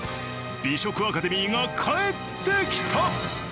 『美食アカデミー』が帰ってきた！